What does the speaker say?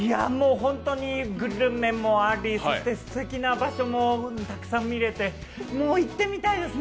ホントにグルメもありすてきな場所もたくさん見れて、もう行ってみたいですね